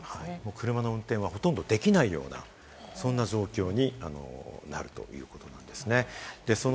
車の運転はほとんどできないような、そんな状況になるということですね。